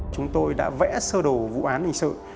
chúng tôi đã vẽ sơ đồ vụ án hình sự